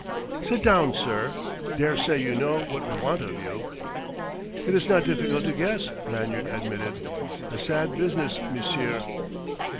"Sit down, sir. Daresay you know what we want of you." "It is not difficult to guess," Lanyard admitted. "A sad business, monsieur."